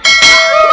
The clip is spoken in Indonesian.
mas randy kenapa